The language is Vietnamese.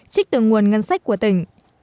trích từ nguồn ngân sách của tỉnh